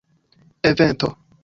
evento